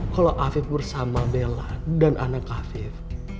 kalau afif bersama bella dan anak afif